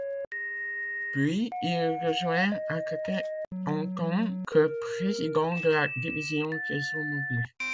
Puis il rejoint Alcatel en tant que Président de la Division Réseaux Mobiles.